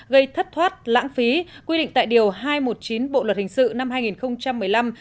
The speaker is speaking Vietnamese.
gây thất thoát lãng phí quy định tại điều hai trăm một mươi chín bộ luật hình sự năm hai nghìn một mươi năm